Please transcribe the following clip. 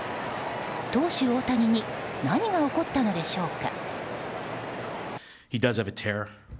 投手・大谷に何が起こったのでしょうか？